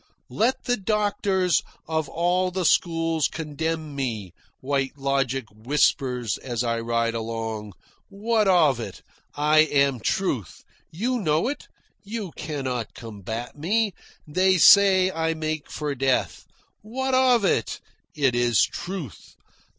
"Let the doctors of all the schools condemn me," White Logic whispers as I ride along. "What of it? I am truth. You know it. You cannot combat me. They say I make for death. What of it? It is truth.